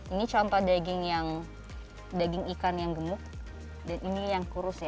ini contoh daging yang daging ikan yang gemuk dan ini yang kurus ya